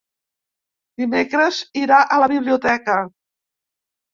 Dimecres irà a la biblioteca.